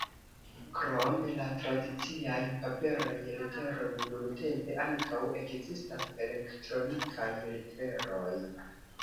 Krom la tradiciaj paperaj leteroj nuntempe ankaŭ ekzistas elektronikaj leteroj.